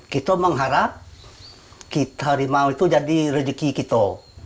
kita mengharap harimau itu jadi rezeki kita